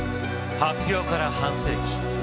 発表から半世紀。